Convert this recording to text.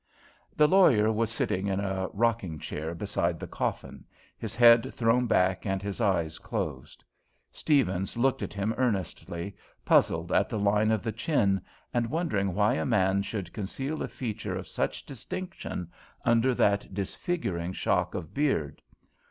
The lawyer was sitting in a rocking chair beside the coffin, his head thrown back and his eyes closed. Steavens looked at him earnestly, puzzled at the line of the chin, and wondering why a man should conceal a feature of such distinction under that disfiguring shock of beard.